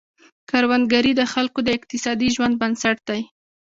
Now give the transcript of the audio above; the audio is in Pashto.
کروندګري د خلکو د اقتصادي ژوند بنسټ دی.